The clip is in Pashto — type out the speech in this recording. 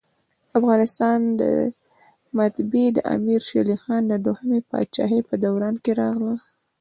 افغانستان ته مطبعه دامیر شېرعلي خان د دوهمي پاچاهۍ په دوران کي راغله.